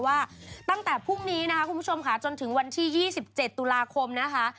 ว่าตั้งแต่พรุ่งนี้นะคะคุณผู้ชมค่ะจนถึงวันที่๒๗ตุลาคมนะคะ